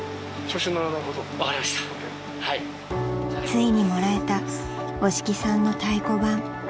［ついにもらえた押木さんの太鼓判］